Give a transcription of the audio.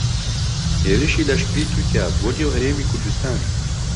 هێرشی لەشکریی تورکیا بۆ نێو هەرێمی کوردستان